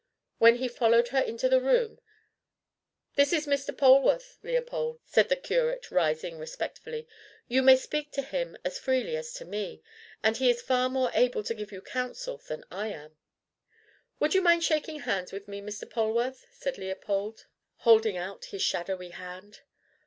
When he followed her into the room, "This is Mr. Polwarth, Leopold," said the curate, rising respectfully. "You may speak to him as freely as to me, and he is far more able to give you counsel than I am." "Would you mind shaking hands with me, Mr. Polwarth?" said Leopold, holding out his shadowy hand.